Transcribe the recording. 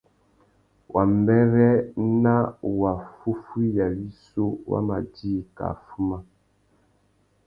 Wambêrê na waffúffüiya wissú wa ma djï kā fuma.